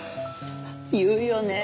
言うよね。